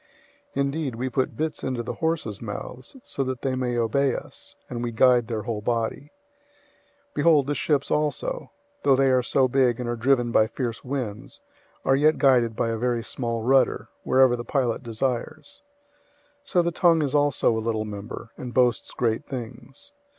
003:003 Indeed, we put bits into the horses' mouths so that they may obey us, and we guide their whole body. 003:004 Behold, the ships also, though they are so big and are driven by fierce winds, are yet guided by a very small rudder, wherever the pilot desires. 003:005 So the tongue is also a little member, and boasts great things.